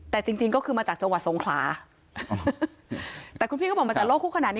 แต่จริงจริงก็คือมาจากจังหวัดสงขลาแต่คุณพี่ก็บอกมาจากโลกคุกขนาดนี้